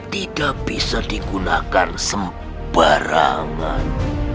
tidak bisa digunakan sembarangan